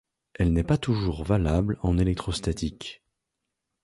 Elle n'est pas toujours valable en électrostatique.